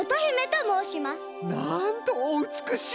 なんとおうつくしい！